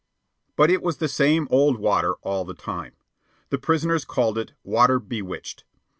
But it was the same old water all the time. The prisoners called it "water bewitched."